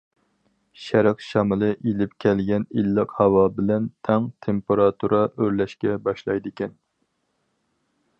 شەرق شامىلى ئېلىپ كەلگەن ئىللىق ھاۋا بىلەن تەڭ تېمپېراتۇرا ئۆرلەشكە باشلايدىكەن.